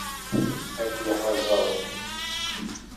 Ad k-yeḥrez Ṛebbi.